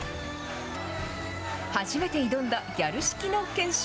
初めて挑んだギャル式の研修。